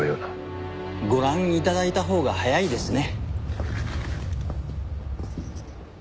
ご覧頂いたほうが早いですね。